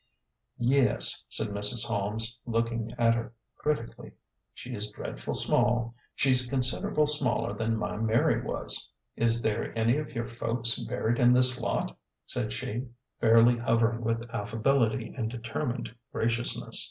" Yes," said Mrs. Holmes, looking at her critically ;" she is dreadful small. She's considerable smaller than my Mary was. Is there any of your folks buried in this lot ?" said she, fairly hovering with affability and determined gra ciousness.